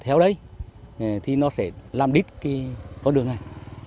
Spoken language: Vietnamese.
theo đấy thì nó sẽ làm đít cái con đường này